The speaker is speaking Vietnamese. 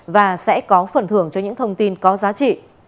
và sẽ có phần thưởng cho những thông tin có giá trị